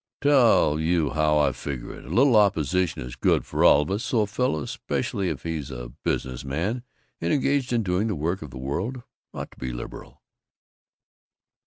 "Tell you how I figure it: A little opposition is good for all of us, so a fellow, especially if he's a business man and engaged in doing the work of the world, ought to be liberal."